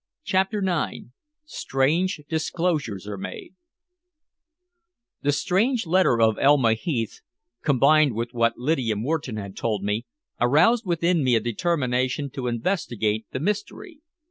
CHAPTER IX STRANGE DISCLOSURES ARE MADE The strange letter of Elma Heath, combined with what Lydia Moreton had told me, aroused within me a determination to investigate the mystery.